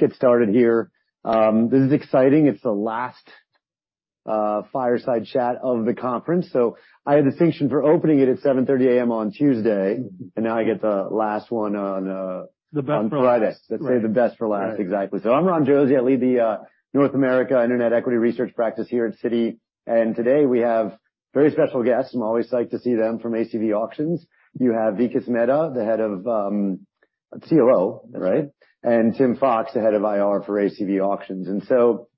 Get started here. This is exciting. It's the last fireside chat of the conference, so I had the distinction for opening it at 7:30 A.M. on Tuesday, and now I get the last one on- The best for last. On Friday. Let's save the best for last. Right. Exactly. So I'm Ron Josey. I lead the North America Internet Equity Research practice here at Citi, and today we have very special guests, I'm always psyched to see them, from ACV Auctions. You have Vikas Mehta, the head of COO, right? Yes. Tim Fox, the head of IR for ACV Auctions. And so,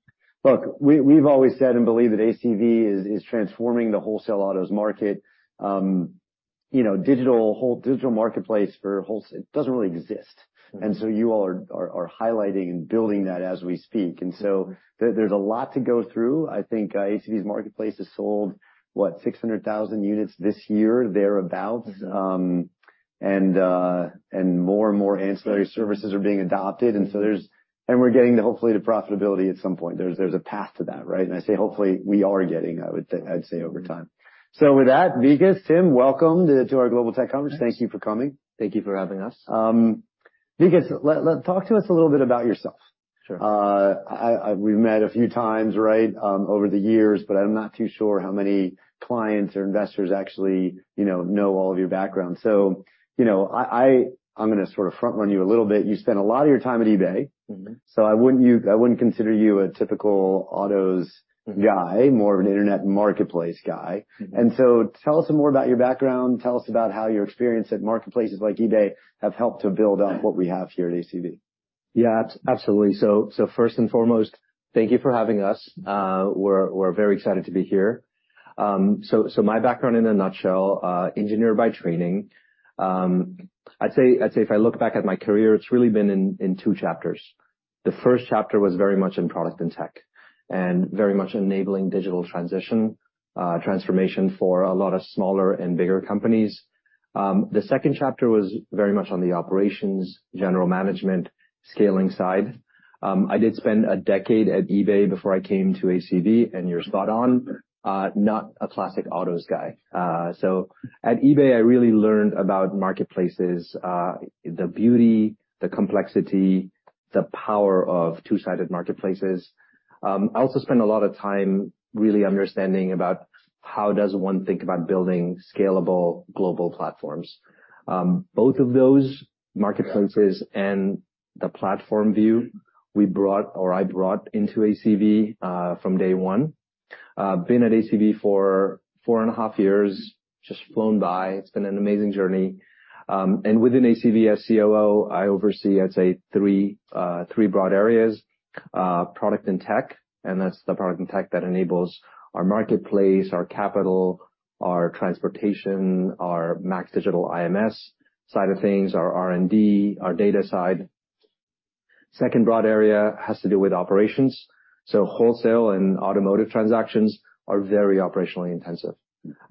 look, we, we've always said and believe that ACV is transforming the wholesale autos market. You know, digital marketplace for wholesale, it doesn't really exist. Mm-hmm. And so you all are highlighting and building that as we speak. And so there's a lot to go through. I think ACV's marketplace has sold, what? 600,000 units this year, thereabout. Mm-hmm. And more and more ancillary services are being adopted. Mm-hmm. And we're getting to, hopefully, to profitability at some point. There's a path to that, right? And I say, hopefully, we are getting, I would say, I'd say over time. So with that, Vikas, Tim, welcome to our Global Tech Conference. Thank you for coming. Thank you for having us. Vikas, let's talk to us a little bit about yourself. Sure. We've met a few times, right, over the years, but I'm not too sure how many clients or investors actually, you know, know all of your background. So, you know, I'm gonna sort of front-run you a little bit. You spent a lot of your time at eBay. Mm-hmm. So I wouldn't consider you a typical autos guy, more of an internet marketplace guy. Mm-hmm. Tell us more about your background. Tell us about how your experience at marketplaces like eBay have helped to build up what we have here at ACV. Yeah, absolutely. So first and foremost, thank you for having us. We're very excited to be here. So my background in a nutshell, engineer by training. I'd say if I look back at my career, it's really been in two chapters. The first chapter was very much in product and tech, and very much enabling digital transition, transformation for a lot of smaller and bigger companies. The second chapter was very much on the operations, general management, scaling side. I did spend a decade at eBay before I came to ACV, and you're spot on, not a classic autos guy. So at eBay, I really learned about marketplaces, the beauty, the complexity, the power of two-sided marketplaces. I also spent a lot of time really understanding about how does one think about building scalable global platforms. Both of those marketplaces and the platform view we brought, or I brought into ACV, from day one. Been at ACV for four and a half years, just flown by. It's been an amazing journey. And within ACV, as COO, I oversee, I'd say, three broad areas: product and tech, and that's the product and tech that enables our marketplace, our capital, our transportation, our MAX Digital IMS side of things, our R&D, our data side. Second broad area has to do with operations. So wholesale and automotive transactions are very operationally intensive.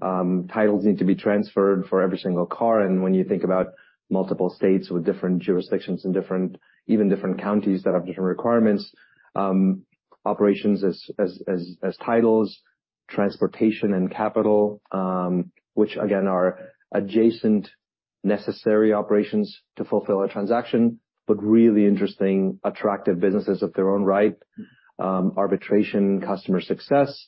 Titles need to be transferred for every single car, and when you think about multiple states with different jurisdictions and different, even different counties that have different requirements, operations as titles, transportation and capital, which again are adjacent necessary operations to fulfill a transaction, but really interesting, attractive businesses of their own right. Arbitration, customer success.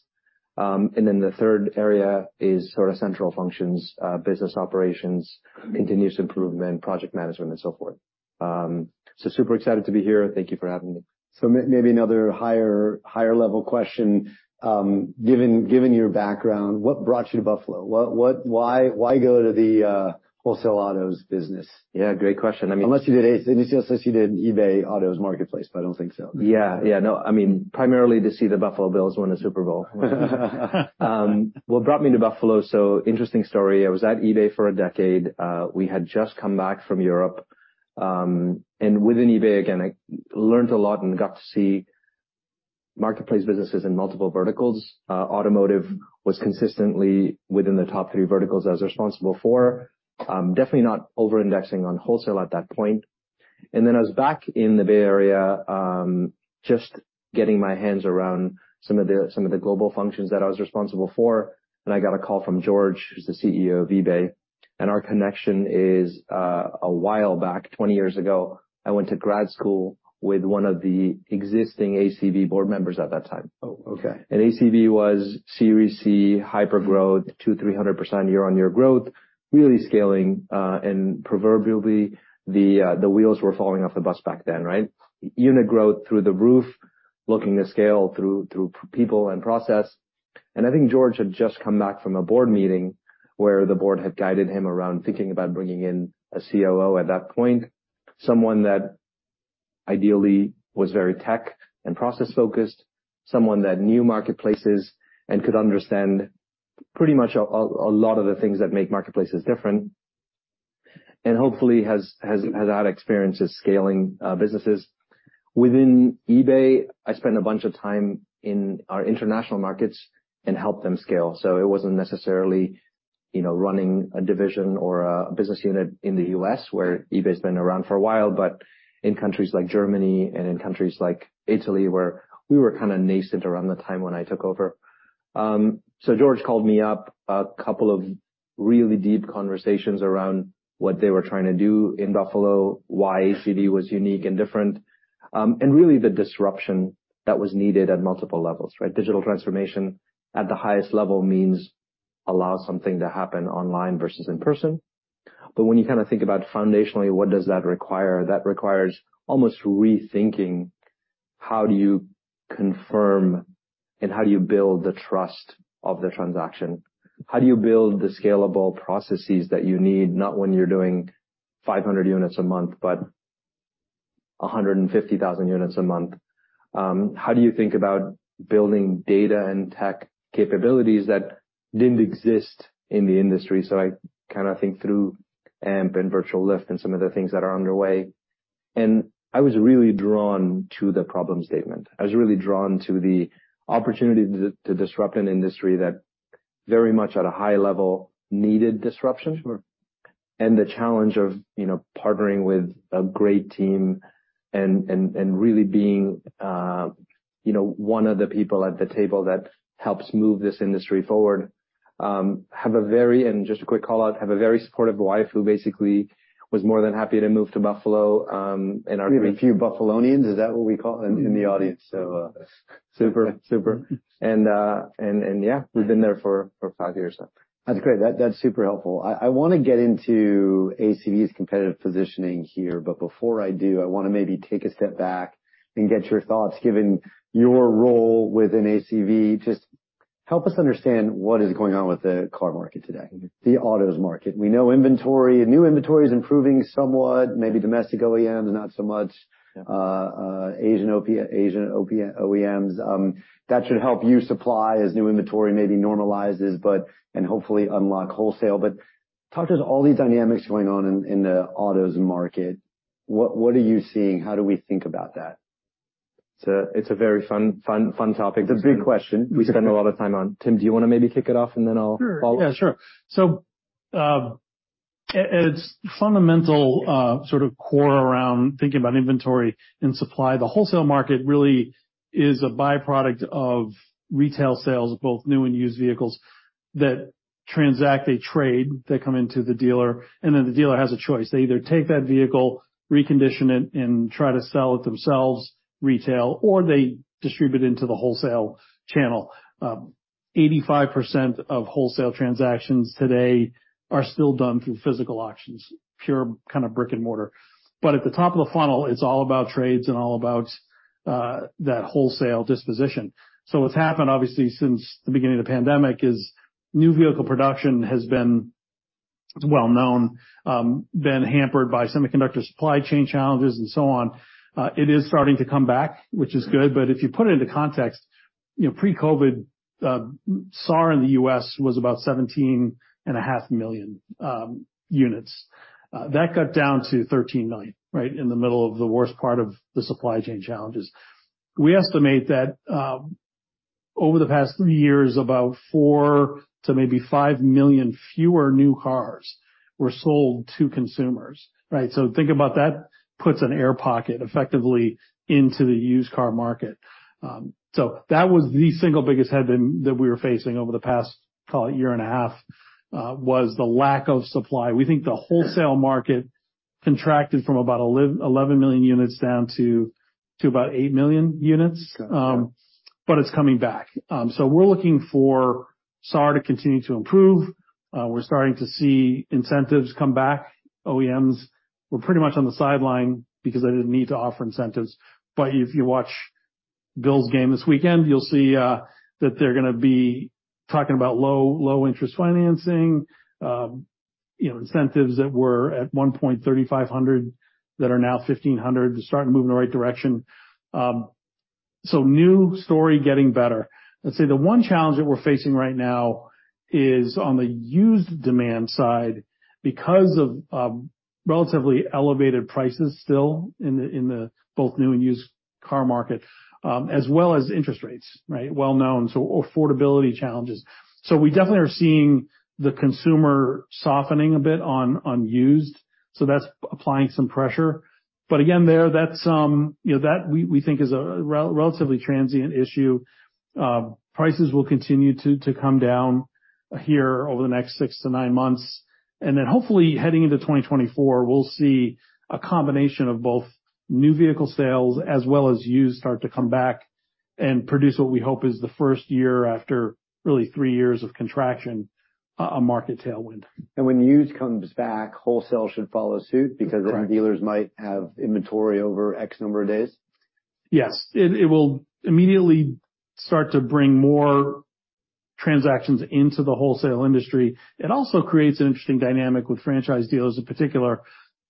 And then the third area is sort of central functions, business operations, continuous improvement, project management, and so forth. So super excited to be here. Thank you for having me. So maybe another higher level question. Given your background, what brought you to Buffalo? What, why go to the wholesale autos business? Yeah, great question. I mean- Unless you did eBay autos marketplace, but I don't think so. Yeah. Yeah, no. I mean, primarily to see the Buffalo Bills win a Super Bowl. What brought me to Buffalo? So interesting story. I was at eBay for a decade. We had just come back from Europe, and within eBay, again, I learned a lot and got to see marketplace businesses in multiple verticals. Automotive was consistently within the top three verticals I was responsible for. Definitely not over-indexing on wholesale at that point. And then I was back in the Bay Area, just getting my hands around some of the, some of the global functions that I was responsible for, and I got a call from George, who's the CEO of ACV. And our connection is, a while back, 20 years ago, I went to grad school with one of the existing ACV board members at that time. Oh, okay. ACV was Series C, hypergrowth, 200%-300% year-on-year growth, really scaling, and proverbially, the wheels were falling off the bus back then, right? Unit growth through the roof, looking to scale through people and process. I think George had just come back from a board meeting where the board had guided him around thinking about bringing in a COO at that point, someone that ideally was very tech and process-focused, someone that knew marketplaces and could understand pretty much a lot of the things that make marketplaces different, and hopefully has had experiences scaling businesses. Within eBay, I spent a bunch of time in our international markets and helped them scale. So it wasn't necessarily, you know, running a division or a business unit in the U.S., where eBay's been around for a while, but in countries like Germany and in countries like Italy, where we were kind of nascent around the time when I took over. So George called me up, a couple of really deep conversations around what they were trying to do in Buffalo, why ACV was unique and different, and really the disruption that was needed at multiple levels, right? Digital transformation at the highest level means allow something to happen online versus in person. But when you kind of think about foundationally, what does that require? That requires almost rethinking how do you confirm and how do you build the trust of the transaction. How do you build the scalable processes that you need, not when you're doing 500 units a month, but 150,000 units a month? How do you think about building data and tech capabilities that didn't exist in the industry? So I kind of think through AMP and Virtual Lift and some of the things that are underway, and I was really drawn to the problem statement. I was really drawn to the opportunity to, to disrupt an industry that very much at a high level, needed disruption. Sure. The challenge of, you know, partnering with a great team and really being, you know, one of the people at the table that helps move this industry forward. And just a quick call out, have a very supportive wife, who basically was more than happy to move to Buffalo, and our- We have a few Buffalonians, is that what we call them, in the audience? So, super, super. And, yeah, we've been there for 5 years now. That's great. That's super helpful. I want to get into ACV's competitive positioning here, but before I do, I want to maybe take a step back and get your thoughts. Given your role within ACV, just help us understand what is going on with the car market today, the autos market. We know inventory, new inventory is improving somewhat, maybe domestic OEMs, not so much, Asian OEMs. That should help you supply as new inventory maybe normalizes, but and hopefully unlock wholesale. But talk to us all these dynamics going on in the autos market, what are you seeing? How do we think about that? It's a very fun, fun, fun topic. It's a big question we spend a lot of time on. Tim, do you want to maybe kick it off, and then I'll follow up? Sure. Yeah, sure. So at its fundamental, sort of core around thinking about inventory and supply, the wholesale market really is a byproduct of retail sales, both new and used vehicles, that transact, they trade, they come into the dealer, and then the dealer has a choice. They either take that vehicle, recondition it, and try to sell it themselves, retail, or they distribute it into the wholesale channel. 85% of wholesale transactions today are still done through physical auctions, pure kind of brick and mortar. But at the top of the funnel, it's all about trades and all about that wholesale disposition. So what's happened, obviously, since the beginning of the pandemic, is new vehicle production has been well known, been hampered by semiconductor supply chain challenges and so on. It is starting to come back, which is good, but if you put it into context, you know, pre-COVID, SAR in the U.S. was about 17.5 million units. That got down to 13.9, right? In the middle of the worst part of the supply chain challenges. We estimate that, over the past three years, about 4 to maybe 5 million fewer new cars were sold to consumers, right? So think about that, puts an air pocket effectively into the used car market. So that was the single biggest headwind that we were facing over the past, call it, year and a half, was the lack of supply. We think the wholesale market contracted from about 11 million units down to about 8 million units. Got it. But it's coming back. So we're looking for SAR to continue to improve. We're starting to see incentives come back. OEMs were pretty much on the sideline because they didn't need to offer incentives, but if you watch Bills game this weekend, you'll see that they're gonna be talking about low, low interest financing, you know, incentives that were at one point $3,500, that are now $1,500. They're starting to move in the right direction. So new story, getting better. Let's say the one challenge that we're facing right now is on the used demand side, because of relatively elevated prices still in the both new and used car market, as well as interest rates, right? Well-known, so affordability challenges. So we definitely are seeing the consumer softening a bit on used, so that's applying some pressure. But again, there, that's, you know, that we think is a relatively transient issue. Prices will continue to come down here over the next six to nine months, and then hopefully, heading into 2024, we'll see a combination of both new vehicle sales, as well as used start to come back and produce what we hope is the first year after really three years of contraction, a market tailwind. When used comes back, wholesale should follow suit- Correct. - because then dealers might have inventory over X number of days? Yes. It will immediately start to bring more transactions into the wholesale industry. It also creates an interesting dynamic with franchise dealers in particular,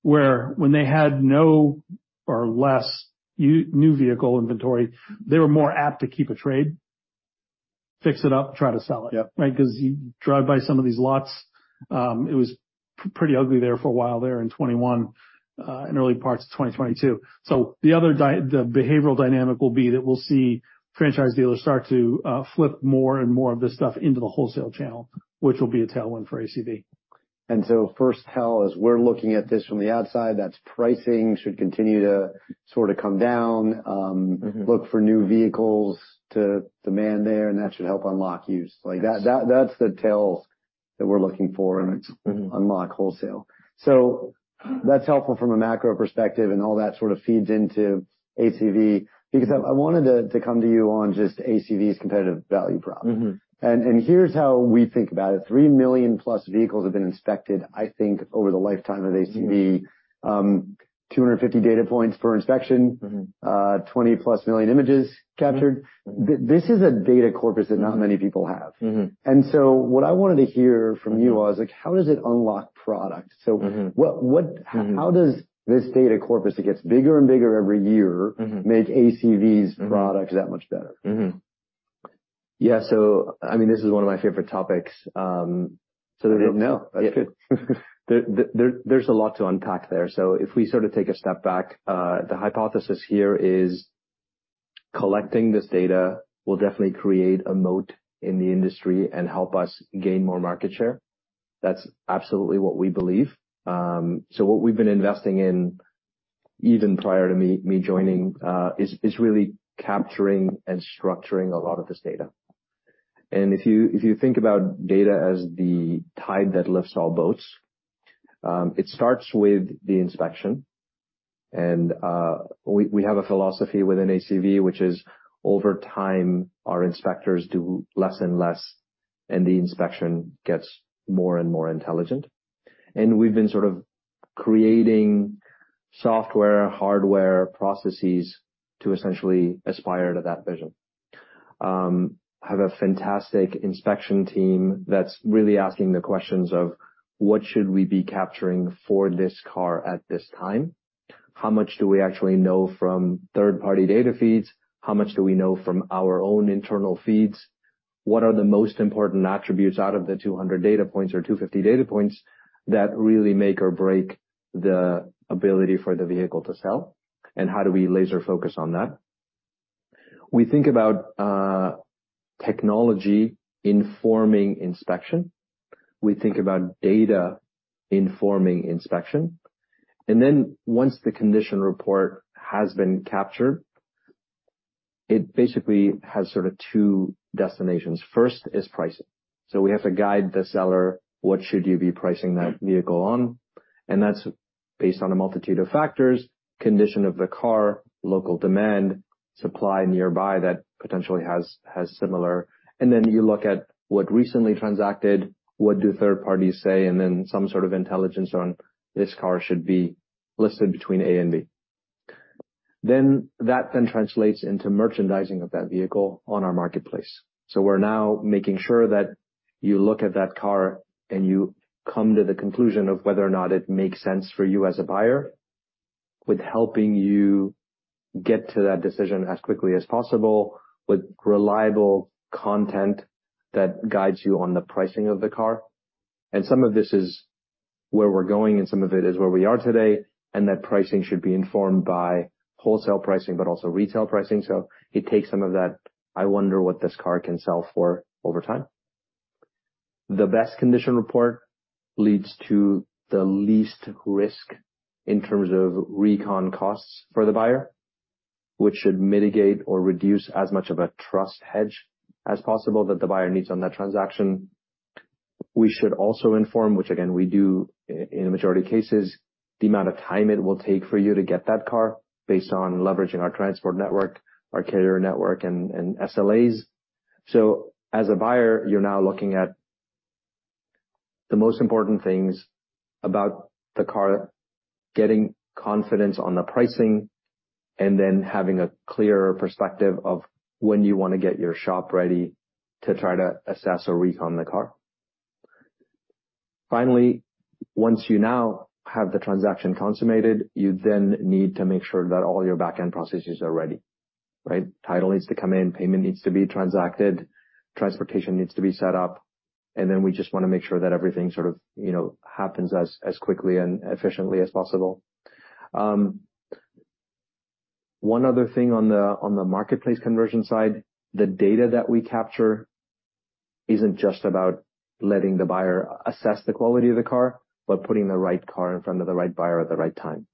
where when they had no or less new vehicle inventory, they were more apt to keep a trade, fix it up, try to sell it. Yep. Right? Because you drive by some of these lots, it was pretty ugly there for a while there in 2021, and early parts of 2022. So the other behavioral dynamic will be that we'll see franchise dealers start to flip more and more of this stuff into the wholesale channel, which will be a tailwind for ACV.... And so first tell, as we're looking at this from the outside, that's pricing should continue to sort of come down. Mm-hmm. Look for new vehicles to demand there, and that should help unlock use. Like, that, that, that's the tell that we're looking for, and it's- Mm-hmm. -unlock wholesale. So that's helpful from a macro perspective, and all that sort of feeds into ACV. Because I wanted to come to you on just ACV's competitive value prop. Mm-hmm. Here's how we think about it. 3 million plus vehicles have been inspected, I think, over the lifetime of ACV. Mm-hmm. 250 data points per inspection. Mm-hmm. 20+ million images captured. Mm-hmm. This is a data corpus that not many people have. Mm-hmm. What I wanted to hear from you was, like, how does it unlock product? Mm-hmm. So what Mm-hmm. How does this data corpus, that gets bigger and bigger every year? Mm-hmm. make ACV's products that much better? Mm-hmm. Yeah, so, I mean, this is one of my favorite topics, so there's no- That's good. There's a lot to unpack there. So if we sort of take a step back, the hypothesis here is collecting this data will definitely create a moat in the industry and help us gain more market share. That's absolutely what we believe. So what we've been investing in, even prior to me joining, is really capturing and structuring a lot of this data. And if you think about data as the tide that lifts all boats, it starts with the inspection. And we have a philosophy within ACV, which is, over time, our inspectors do less and less, and the inspection gets more and more intelligent. And we've been sort of creating software, hardware, processes to essentially aspire to that vision. We have a fantastic inspection team that's really asking the questions of: What should we be capturing for this car at this time? How much do we actually know from third-party data feeds? How much do we know from our own internal feeds? What are the most important attributes out of the 200 data points or 250 data points that really make or break the ability for the vehicle to sell? And how do we laser focus on that? We think about technology informing inspection. We think about data informing inspection. And then, once the Condition Report has been captured, it basically has sort of two destinations. First is pricing. So we have to guide the seller, what should you be pricing that vehicle on? And that's based on a multitude of factors, condition of the car, local demand, supply nearby that potentially has similar... And then you look at what recently transacted, what do third parties say, and then some sort of intelligence on, this car should be listed between A and B. Then, that then translates into merchandising of that vehicle on our marketplace. So we're now making sure that you look at that car, and you come to the conclusion of whether or not it makes sense for you as a buyer, with helping you get to that decision as quickly as possible, with reliable content that guides you on the pricing of the car. And some of this is where we're going, and some of it is where we are today, and that pricing should be informed by wholesale pricing, but also retail pricing. So it takes some of that, "I wonder what this car can sell for over time?" The best Condition Report leads to the least risk in terms of recon costs for the buyer, which should mitigate or reduce as much of a trust hedge as possible that the buyer needs on that transaction. We should also inform, which again, we do in a majority of cases, the amount of time it will take for you to get that car based on leveraging our transport network, our carrier network, and SLAs. So as a buyer, you're now looking at the most important things about the car, getting confidence on the pricing, and then having a clearer perspective of when you want to get your shop ready to try to assess or recon the car. Finally, once you now have the transaction consummated, you then need to make sure that all your back-end processes are ready, right? Title needs to come in, payment needs to be transacted, transportation needs to be set up, and then we just want to make sure that everything sort of, you know, happens as, as quickly and efficiently as possible. One other thing on the, on the marketplace conversion side, the data that we capture isn't just about letting the buyer assess the quality of the car, but putting the right car in front of the right buyer at the right time.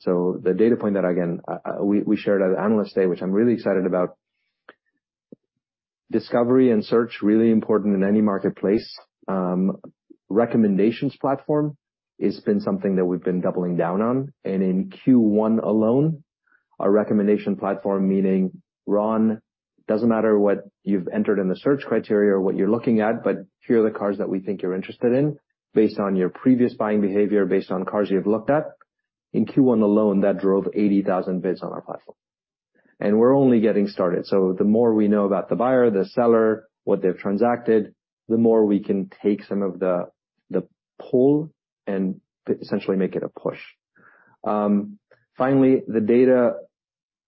So the data point that, again, we, we shared at Analyst Day, which I'm really excited about. Discovery and search, really important in any marketplace. Recommendations platform has been something that we've been doubling down on, and in Q1 alone, our recommendation platform, meaning Ron, doesn't matter what you've entered in the search criteria or what you're looking at, but here are the cars that we think you're interested in based on your previous buying behavior, based on cars you've looked at. In Q1 alone, that drove 80,000 bids on our platform. And we're only getting started. So the more we know about the buyer, the seller, what they've transacted, the more we can take some of the pull and essentially make it a push. Finally, the data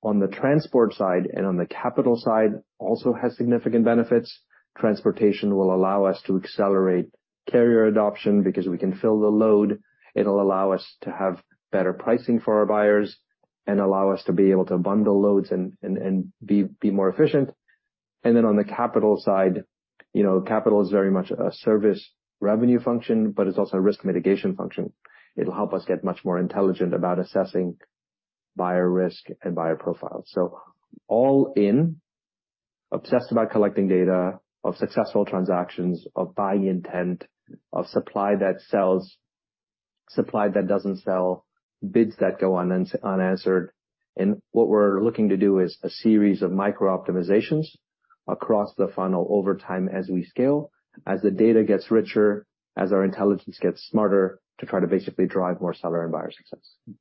on the transport side and on the capital side also has significant benefits. Transportation will allow us to accelerate carrier adoption because we can fill the load. It'll allow us to have better pricing for our buyers and allow us to be able to bundle loads and be more efficient.... And then on the capital side, you know, capital is very much a service revenue function, but it's also a risk mitigation function. It'll help us get much more intelligent about assessing buyer risk and buyer profile. So all in, obsessed about collecting data, of successful transactions, of buying intent, of supply that sells, supply that doesn't sell, bids that go on, unanswered. And what we're looking to do is a series of micro-optimizations across the funnel over time as we scale, as the data gets richer, as our intelligence gets smarter, to try to basically drive more seller and buyer success.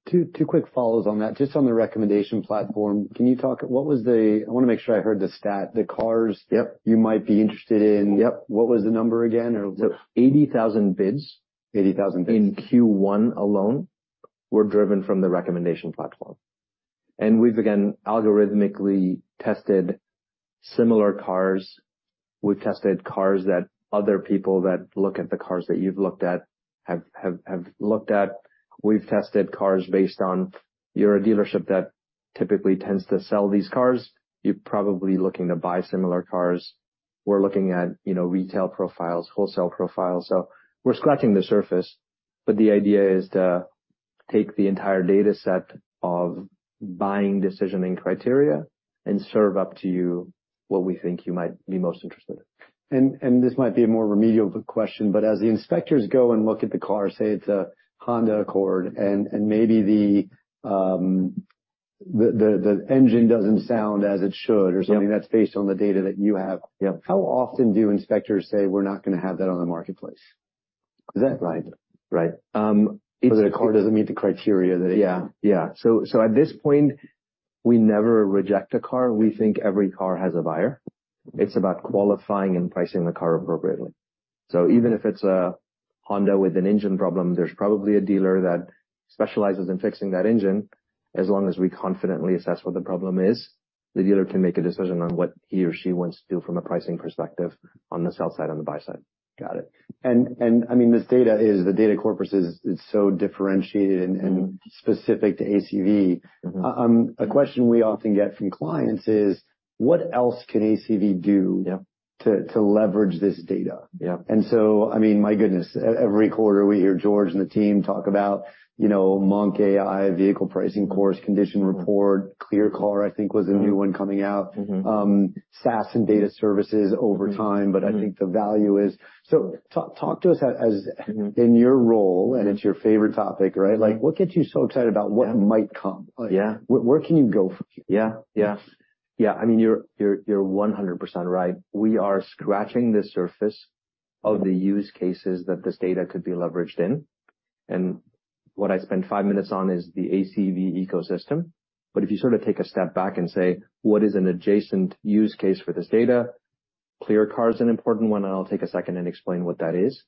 Two, two quick follows on that. Just on the recommendation platform, can you talk? What was the—I wanna make sure I heard the stat, the cars- Yep. You might be interested in. Yep. What was the number again? 80,000 bids. 80,000 bids. In Q1 alone, were driven from the recommendation platform. We've again algorithmically tested similar cars. We've tested cars that other people that look at the cars that you've looked at have looked at. We've tested cars based on, you're a dealership that typically tends to sell these cars. You're probably looking to buy similar cars. We're looking at, you know, retail profiles, wholesale profiles. So we're scratching the surface, but the idea is to take the entire data set of buying decisioning criteria and serve up to you what we think you might be most interested in. This might be a more remedial question, but as the inspectors go and look at the car, say, it's a Honda Accord, and maybe the engine doesn't sound as it should or something that's based on the data that you have. Yep. How often do inspectors say, "We're not gonna have that on the marketplace? Right. Right, So the car doesn't meet the criteria that- Yeah. Yeah. So at this point, we never reject a car. We think every car has a buyer. It's about qualifying and pricing the car appropriately. So even if it's a Honda with an engine problem, there's probably a dealer that specializes in fixing that engine. As long as we confidently assess what the problem is, the dealer can make a decision on what he or she wants to do from a pricing perspective on the sell side, on the buy side. Got it. I mean, this data is... The data corpus is so differentiated and specific to ACV. Mm-hmm. A question we often get from clients is: What else can ACV do- Yep. to leverage this data? Yep. And so, I mean, my goodness, every quarter, we hear George and the team talk about, you know, Monk AI, vehicle pricing core, Condition Report, ClearCar, I think, was a new one coming out. Mm-hmm. SaaS and data services over time, but I think the value is... So talk to us as in your role, and it's your favorite topic, right? Mm-hmm. Like, what gets you so excited about what might come? Yeah. Where can you go from here? Yeah. Yes. Yeah. I mean, you're, you're, you're 100% right. We are scratching the surface of the use cases that this data could be leveraged in, and what I spent five minutes on is the ACV ecosystem. But if you sort of take a step back and say: What is an adjacent use case for this data? ClearCar is an important one, and I'll take a second and explain what that is.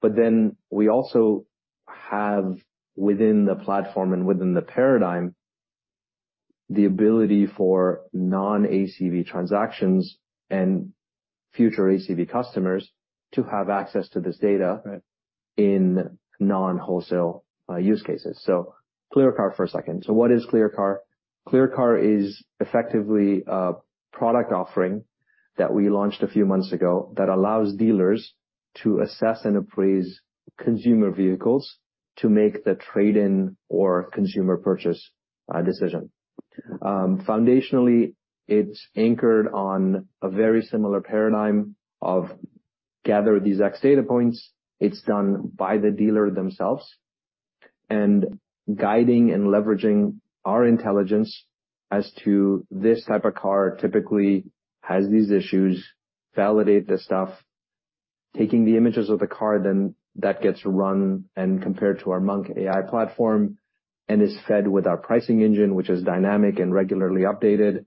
But then we also have, within the platform and within the paradigm, the ability for non-ACV transactions and future ACV customers to have access to this data- Right. -in non-wholesale use cases. So ClearCar for a second. So what is ClearCar? ClearCar is effectively a product offering that we launched a few months ago, that allows dealers to assess and appraise consumer vehicles to make the trade-in or consumer purchase decision. Foundationally, it's anchored on a very similar paradigm of gather these X data points. It's done by the dealer themselves, and guiding and leveraging our intelligence as to this type of car typically has these issues, validate the stuff, taking the images of the car, then that gets run and compared to our Monk AI platform, and is fed with our pricing engine, which is dynamic and regularly updated.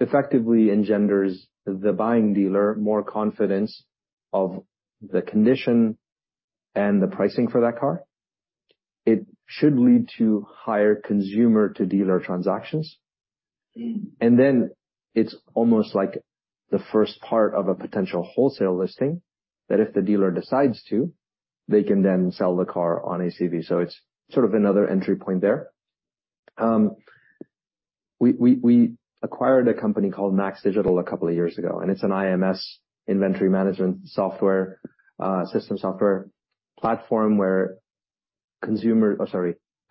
Effectively engenders the buying dealer more confidence of the condition and the pricing for that car. It should lead to higher consumer-to-dealer transactions, and then it's almost like the first part of a potential wholesale listing, that if the dealer decides to, they can then sell the car on ACV. So it's sort of another entry point there. We acquired a company called MAX Digital a couple of years ago, and it's an IMS inventory management software system software platform, where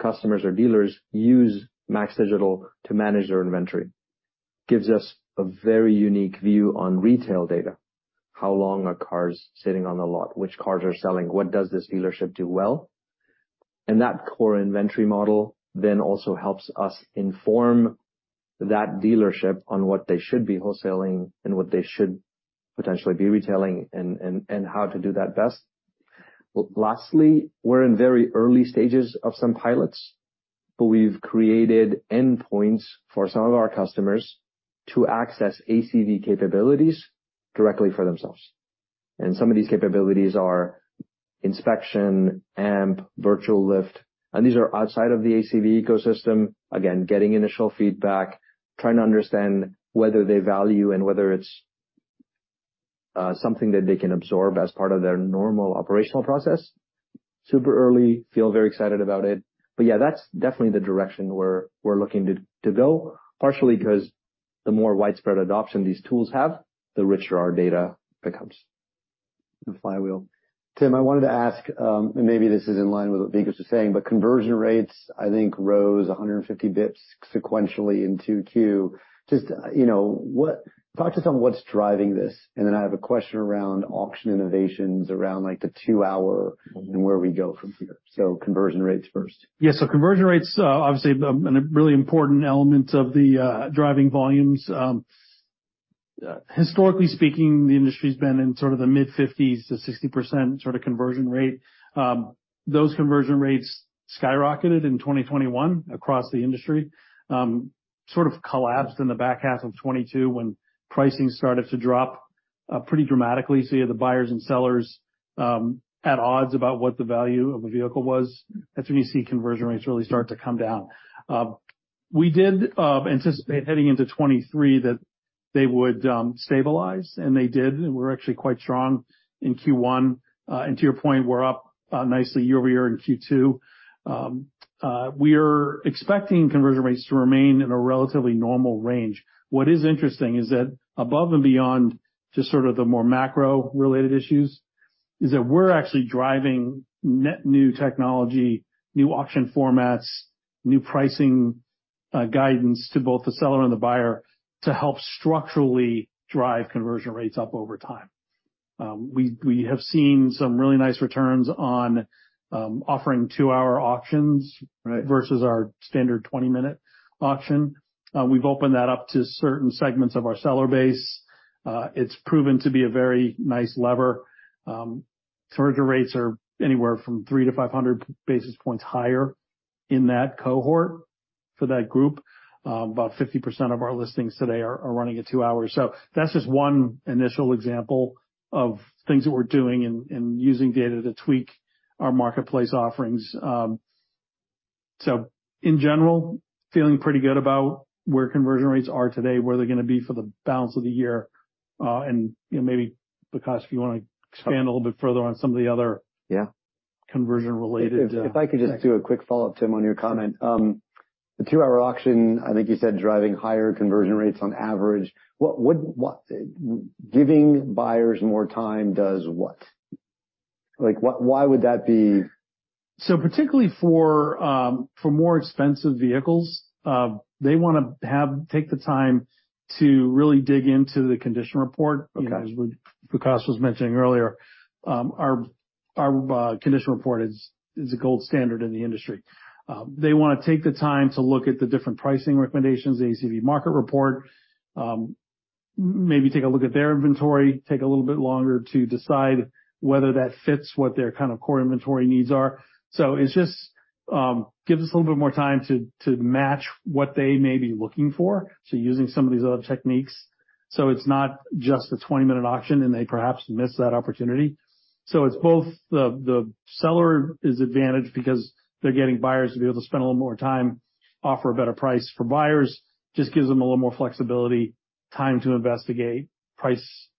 customers or dealers use MAX Digital to manage their inventory. Gives us a very unique view on retail data. How long are cars sitting on the lot? Which cars are selling? What does this dealership do well? And that core inventory model then also helps us inform that dealership on what they should be wholesaling and what they should potentially be retailing, and how to do that best. Lastly, we're in very early stages of some pilots, but we've created endpoints for some of our customers to access ACV capabilities directly for themselves. And some of these capabilities are inspection, AMP, Virtual Lift, and these are outside of the ACV ecosystem. Again, getting initial feedback, trying to understand whether they value and whether it's something that they can absorb as part of their normal operational process. Super early, feel very excited about it. But yeah, that's definitely the direction we're looking to go, partially because the more widespread adoption these tools have, the richer our data becomes. The flywheel. Tim, I wanted to ask, and maybe this is in line with what Vikas was saying, but conversion rates, I think, rose 150 BPS sequentially in 2Q. Just, you know, what—talk to us on what's driving this, and then I have a question around auction innovations, around, like, the two-hour and where we go from here. So conversion rates first. Yeah, so conversion rates, obviously, a really important element of the driving volumes. Historically speaking, the industry's been in sort of the mid-50s-60% sort of conversion rate. Those conversion rates skyrocketed in 2021 across the industry, sort of collapsed in the back half of 2022 when pricing started to drop pretty dramatically, so you had the buyers and sellers at odds about what the value of a vehicle was. That's when you see conversion rates really start to come down. We did anticipate heading into 2023 that they would stabilize, and they did. We're actually quite strong in Q1. And to your point, we're up nicely year-over-year in Q2. We are expecting conversion rates to remain in a relatively normal range. What is interesting is that above and beyond just sort of the more macro-related issues, is that we're actually driving net new technology, new auction formats, new pricing, guidance to both the seller and the buyer to help structurally drive conversion rates up over time. We have seen some really nice returns on offering two-hour auctions- Right. - versus our standard 20-minute auction. We've opened that up to certain segments of our seller base. It's proven to be a very nice lever. Conversion rates are anywhere from 300-500 basis points higher in that cohort for that group. About 50% of our listings today are running at 2 hours. So that's just one initial example of things that we're doing and using data to tweak our marketplace offerings. So in general, feeling pretty good about where conversion rates are today, where they're gonna be for the balance of the year, and, you know, maybe, Vikas, if you wanna expand a little bit further on some of the other- Yeah. -conversion-related, things. If I could just do a quick follow-up, Tim, on your comment. The 2-hour auction, I think you said, driving higher conversion rates on average. What... Giving buyers more time does what? Like, what—why would that be? So particularly for more expensive vehicles, they wanna take the time to really dig into the condition report. Okay. You know, as Vikas was mentioning earlier, our Condition Report is a gold standard in the industry. They wanna take the time to look at the different pricing recommendations, the ACV Market Report, maybe take a look at their inventory, take a little bit longer to decide whether that fits what their kind of core inventory needs are. So it's just gives us a little bit more time to match what they may be looking for, so using some of these other techniques, so it's not just a 20-minute auction, and they perhaps miss that opportunity. So it's both the seller is advantaged because they're getting buyers to be able to spend a little more time, offer a better price. For buyers, just gives them a little more flexibility, time to investigate, price,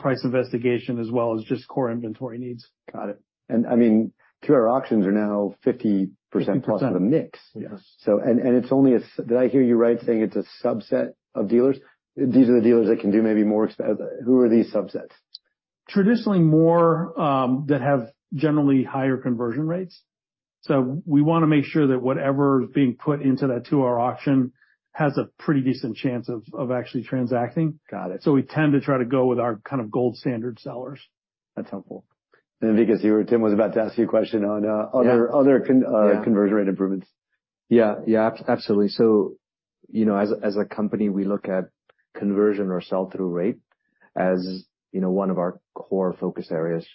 price investigation, as well as just core inventory needs. Got it. And, I mean, two-hour auctions are now 50%- Fifty percent. plus of the mix. Yes. Did I hear you right, saying it's a subset of dealers? These are the dealers that can do maybe more. Who are these subsets? Traditionally, more, that have generally higher conversion rates. So we wanna make sure that whatever is being put into that two-hour auction has a pretty decent chance of actually transacting. Got it. We tend to try to go with our kind of gold-standard sellers. That's helpful. And Vikas, Tim was about to ask you a question on. Yeah. other conversion rate improvements. Yeah. Yeah, absolutely. So, you know, as a company, we look at conversion or sell-through rate, as you know, one of our core focus areas.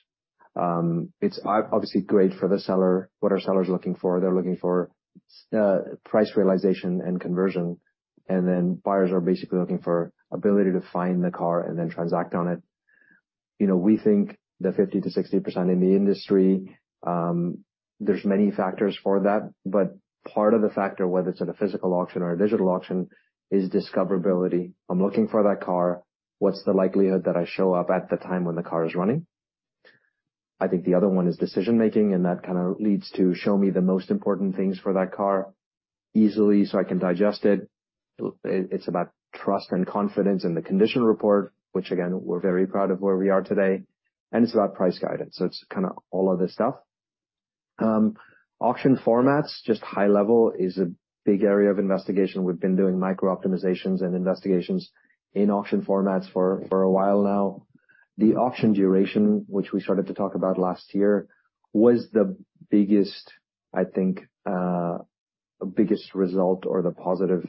It's obviously great for the seller. What are sellers looking for? They're looking for price realization and conversion, and then buyers are basically looking for ability to find the car and then transact on it. You know, we think the 50%-60% in the industry. There's many factors for that, but part of the factor, whether it's at a physical auction or a digital auction, is discoverability. I'm looking for that car. What's the likelihood that I show up at the time when the car is running? I think the other one is decision-making, and that kind of leads to show me the most important things for that car easily so I can digest it. It's about trust and confidence in the condition report, which, again, we're very proud of where we are today, and it's about price guidance. So it's kind of all of this stuff. Auction formats, just high level, is a big area of investigation. We've been doing micro-optimizations and investigations in auction formats for a while now. The auction duration, which we started to talk about last year, was the biggest, I think, biggest result or the positive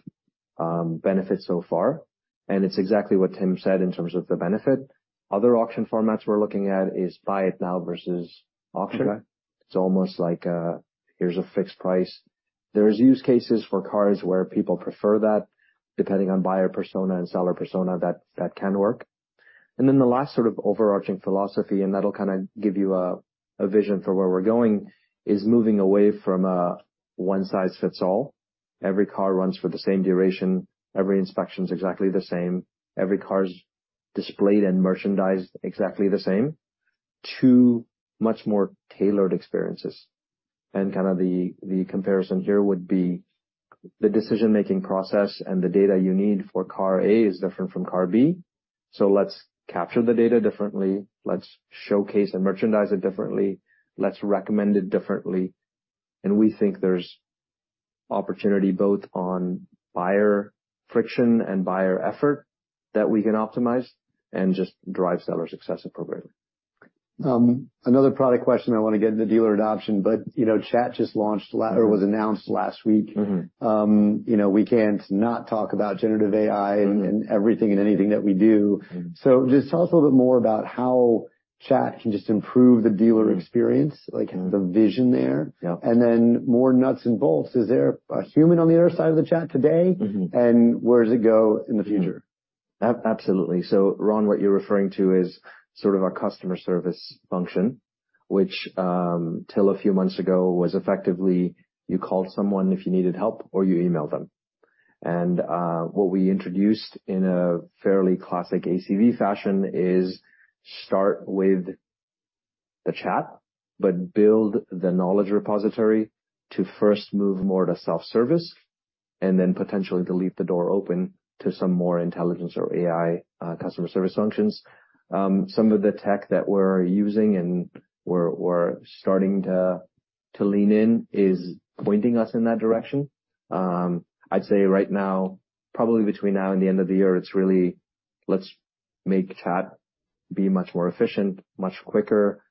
benefit so far, and it's exactly what Tim said in terms of the benefit. Other auction formats we're looking at is Buy It Now versus auction. Okay. It's almost like a, "Here's a fixed price." There's use cases for cars where people prefer that. Depending on buyer persona and seller persona, that, that can work. And then the last sort of overarching philosophy, and that'll kind of give you a, a vision for where we're going, is moving away from a one-size-fits-all... every car runs for the same duration, every inspection's exactly the same, every car's displayed and merchandised exactly the same, to much more tailored experiences. And kind of the, the comparison here would be the decision-making process and the data you need for car A is different from car B, so let's capture the data differently. Let's showcase and merchandise it differently. Let's recommend it differently. And we think there's opportunity both on buyer friction and buyer effort that we can optimize and just drive seller success appropriately. Another product question I wanna get into dealer adoption, but, you know, chat just launched last or was announced last week. Mm-hmm. you know, we can't not talk about generative AI- Mm-hmm. in everything and anything that we do. Mm-hmm. Just tell us a little bit more about how chat can just improve the dealer experience, like the vision there? Yeah. And then more nuts and bolts, is there a human on the other side of the chat today? Mm-hmm. Where does it go in the future? Absolutely. So, Ron, what you're referring to is sort of our customer service function, which, till a few months ago, was effectively, you called someone if you needed help, or you emailed them. And, what we introduced in a fairly classic ACV fashion is start with the chat, but build the knowledge repository to first move more to self-service, and then potentially to leave the door open to some more intelligence or AI customer service functions. Some of the tech that we're using and we're starting to lean in is pointing us in that direction. I'd say right now, probably between now and the end of the year, it's really, let's make chat be much more efficient, much quicker.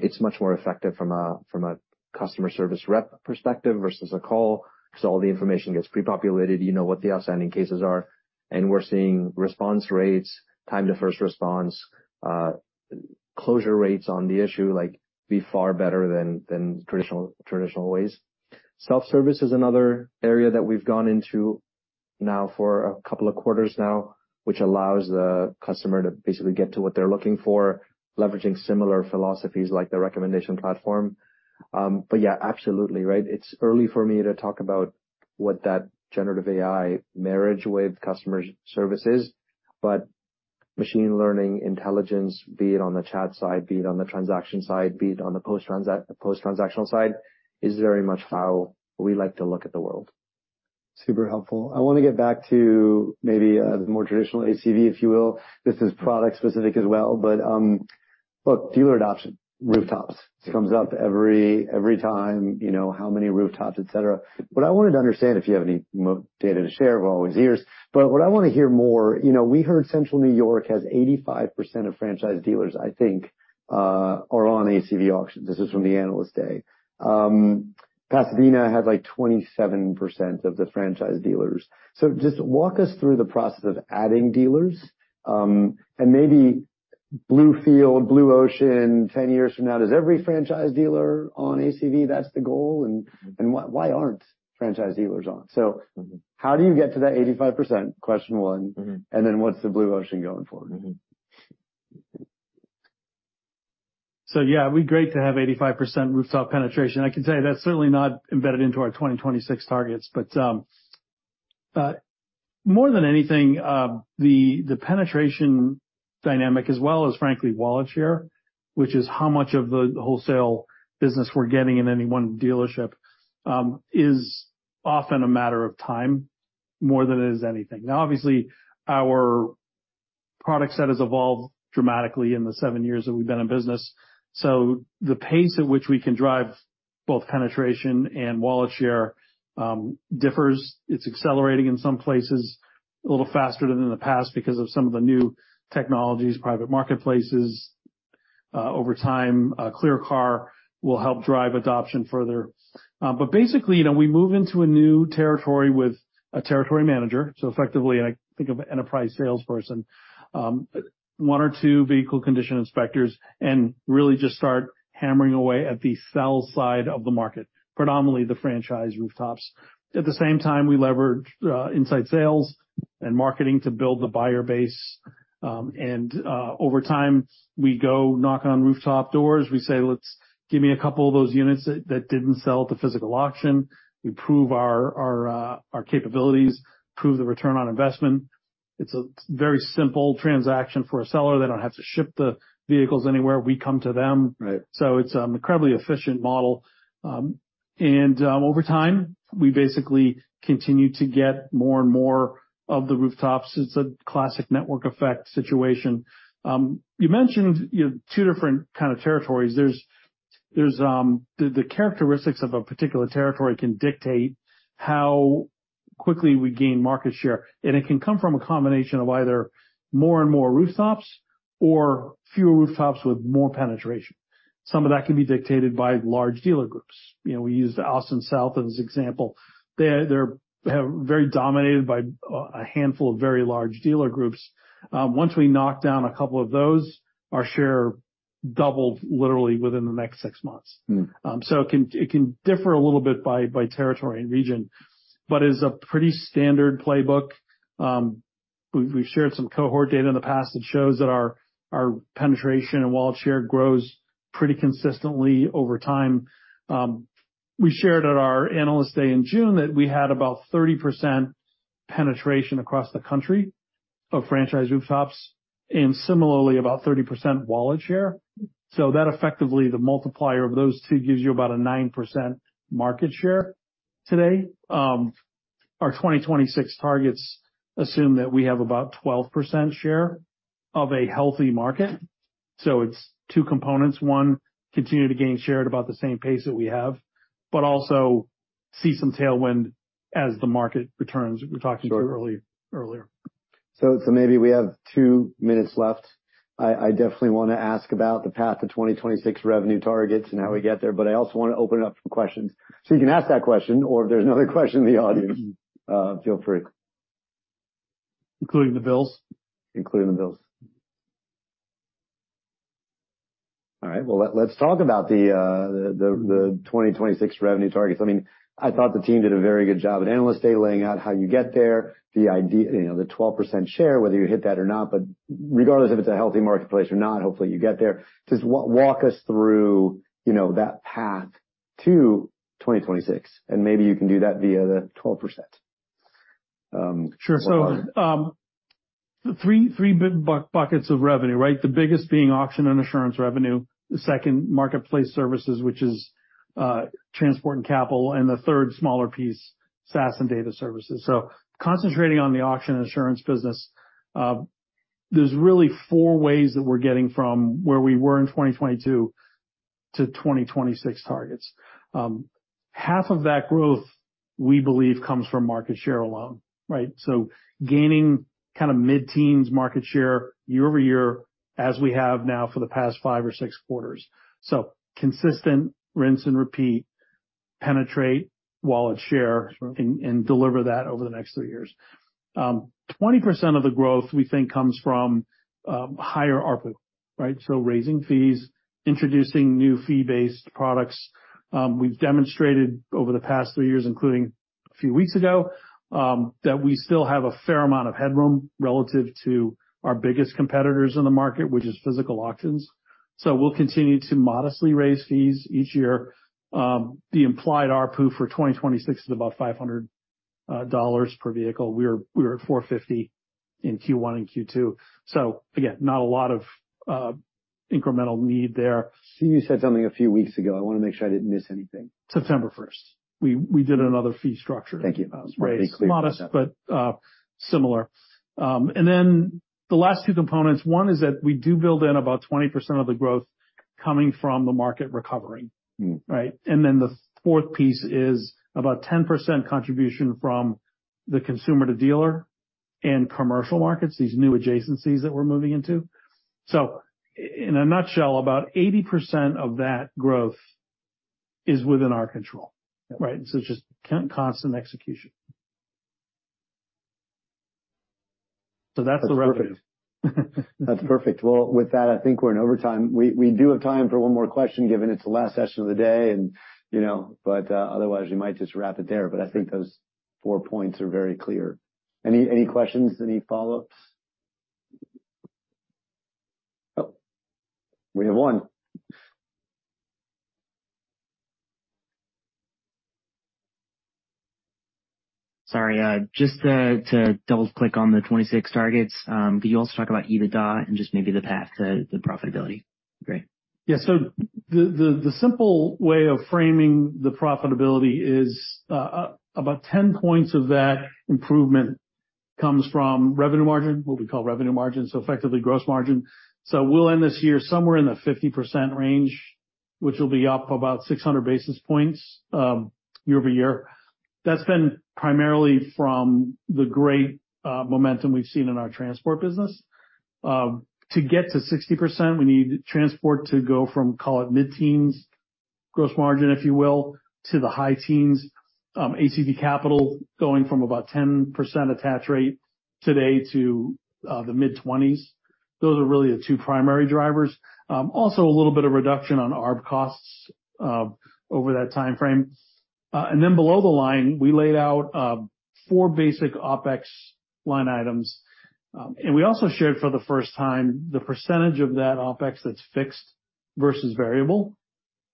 It's much more effective from a customer service rep perspective versus a call, because all the information gets pre-populated. You know what the outstanding cases are, and we're seeing response rates, time to first response, closure rates on the issue, like, be far better than traditional ways. Self-service is another area that we've gone into now for a couple of quarters now, which allows the customer to basically get to what they're looking for, leveraging similar philosophies like the recommendation platform. But yeah, absolutely right. It's early for me to talk about what that generative AI marriage with customer service is, but machine learning intelligence, be it on the chat side, be it on the transaction side, be it on the post-transact- post-transactional side, is very much how we like to look at the world. Super helpful. I wanna get back to maybe, the more traditional ACV, if you will. This is product specific as well, but, look, dealer adoption, rooftops. Yeah. This comes up every, every time, you know, how many rooftops, et cetera. What I wanted to understand, if you have any more data to share, we're always ears, but what I wanna hear more, you know, we heard Central New York has 85% of franchise dealers, I think, are on ACV Auctions. This is from the Analyst Day. Pasadena has, like, 27% of the franchise dealers. So just walk us through the process of adding dealers, and maybe blue field, blue ocean, 10 years from now, does every franchise dealer on ACV, that's the goal? Mm-hmm. Why aren't franchise dealers on? Mm-hmm. How do you get to that 85%? Question one. Mm-hmm. What's the blue ocean going forward? Mm-hmm. So yeah, it'd be great to have 85% rooftop penetration. I can tell you that's certainly not embedded into our 2026 targets. But, more than anything, the penetration dynamic as well as frankly, wallet share, which is how much of the wholesale business we're getting in any one dealership, is often a matter of time more than it is anything. Now, obviously, our product set has evolved dramatically in the 7 years that we've been in business, so the pace at which we can drive both penetration and wallet share, differs. It's accelerating in some places a little faster than in the past because of some of the new technologies, private marketplaces. Over time, ClearCar will help drive adoption further. But basically, you know, we move into a new territory with a territory manager, so effectively, I think of an enterprise salesperson, one or two vehicle condition inspectors, and really just start hammering away at the sell side of the market, predominantly the franchise rooftops. At the same time, we leverage, inside sales and marketing to build the buyer base. And, over time, we go knock on rooftop doors. We say: Let's give me a couple of those units that, that didn't sell at the physical auction. We prove our, our, our capabilities, prove the return on investment. It's a very simple transaction for a seller. They don't have to ship the vehicles anywhere. We come to them. Right. So it's an incredibly efficient model. Over time, we basically continue to get more and more of the rooftops. It's a classic network effect situation. You mentioned, you know, two different kind of territories. The characteristics of a particular territory can dictate how quickly we gain market share, and it can come from a combination of either more and more rooftops or fewer rooftops with more penetration. Some of that can be dictated by large dealer groups. You know, we used Austin South as example. They're very dominated by a handful of very large dealer groups. Once we knocked down a couple of those, our share doubled literally within the next six months. Mm. So it can differ a little bit by territory and region, but it's a pretty standard playbook. We've shared some cohort data in the past that shows that our penetration and wallet share grows pretty consistently over time. We shared at our Analyst Day in June that we had about 30% penetration across the country of franchise rooftops, and similarly, about 30% wallet share. So that effectively, the multiplier of those two gives you about a 9% market share today. Our 2026 targets assume that we have about 12% share of a healthy market. So it's two components. One, continue to gain share at about the same pace that we have, but also see some tailwind as the market returns, we were talking about earlier. So, maybe we have two minutes left. I definitely wanna ask about the path to 2026 revenue targets and how we get there, but I also wanna open it up for questions. So you can ask that question, or if there's another question in the audience, feel free. Including the bills? Including the bills. All right, well, let's talk about the 2026 revenue targets. I mean, I thought the team did a very good job at Analyst Day, laying out how you get there, the idea, you know, the 12% share, whether you hit that or not, but regardless if it's a healthy marketplace or not, hopefully you get there. Just walk us through, you know, that path to 2026, and maybe you can do that via the 12%. Sure. So, 3 big buckets of revenue, right? The biggest being auction and insurance revenue. The second, marketplace services, which is transport and capital, and the third smaller piece, SaaS and data services. So concentrating on the auction and insurance business, there's really 4 ways that we're getting from where we were in 2022 to 2026 targets. Half of that growth, we believe, comes from market share alone, right? So gaining kinda mid-teens market share year-over-year, as we have now for the past 5 or 6 quarters. So consistent rinse and repeat, penetrate wallet share- Sure. and deliver that over the next three years. 20% of the growth, we think, comes from higher ARPU, right? So raising fees, introducing new fee-based products. We've demonstrated over the past three years, including a few weeks ago, that we still have a fair amount of headroom relative to our biggest competitors in the market, which is physical auctions. So we'll continue to modestly raise fees each year. The implied ARPU for 2026 is about $500 per vehicle. We're, we were at $450 in Q1 and Q2. So again, not a lot of incremental need there. You said something a few weeks ago. I wanna make sure I didn't miss anything. September first, we did another fee structure. Thank you. Modest, but similar. And then the last two components, one is that we do build in about 20% of the growth coming from the market recovering. Mm. Right? And then the fourth piece is about 10% contribution from the consumer to dealer and commercial markets, these new adjacencies that we're moving into. So in a nutshell, about 80% of that growth is within our control, right? So it's just constant execution. So that's the revenue. That's perfect. Well, with that, I think we're in overtime. We do have time for one more question, given it's the last session of the day, and, you know, but otherwise, we might just wrap it there. But I think those four points are very clear. Any questions, any follow-ups? Oh, we have one. Sorry, just to double-click on the 2026 targets, could you also talk about EBITDA and just maybe the path to the profitability? Great. Yeah. So the simple way of framing the profitability is about 10 points of that improvement comes from revenue margin, what we call revenue margin, so effectively, gross margin. So we'll end this year somewhere in the 50% range, which will be up about 600 basis points year-over-year. That's been primarily from the great momentum we've seen in our transport business. To get to 60%, we need transport to go from, call it, mid-teens gross margin, if you will, to the high teens. ACV Capital going from about 10% attach rate today to the mid-20s. Those are really the two primary drivers. Also a little bit of reduction on arb costs over that timeframe. And then below the line, we laid out four basic OpEx line items. We also shared for the first time the percentage of that OpEx that's fixed versus variable.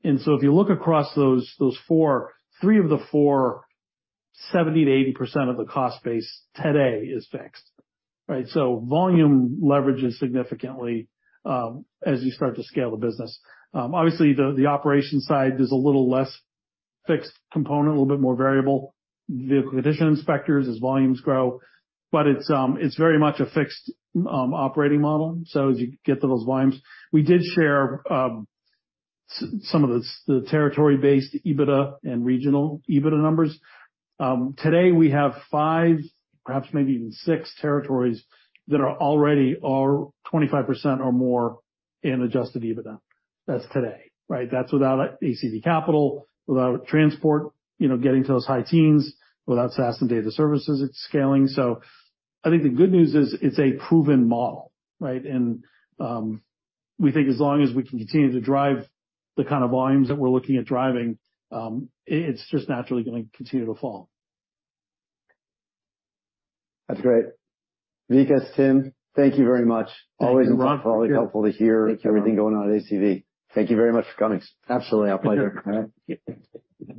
So if you look across those four, three of the four, 70%-80% of the cost base today is fixed, right? So volume leverage is significantly as you start to scale the business. Obviously, the operation side is a little less fixed component, a little bit more variable. Vehicle condition inspectors as volumes grow, but it's very much a fixed operating model, so as you get to those volumes. We did share some of the territory-based EBITDA and regional EBITDA numbers. Today, we have five, perhaps maybe even six territories that are 25% or more in adjusted EBITDA. That's today, right? That's without ACV Capital, without transport, you know, getting to those high teens, without SaaS and data services at scaling. So I think the good news is it's a proven model, right? And we think as long as we can continue to drive the kind of volumes that we're looking at driving, it's just naturally gonna continue to fall. That's great. Vikas, Tim, thank you very much. Thank you, Ron. Always helpful to hear- Thank you. Everything going on at ACV. Thank you very much for coming. Absolutely. Our pleasure. All right.